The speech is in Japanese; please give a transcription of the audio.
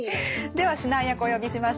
では指南役をお呼びしましょう。